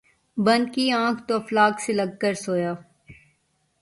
بند کی آنکھ ، تو افلاک سے لگ کر سویا